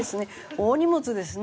大荷物ですね。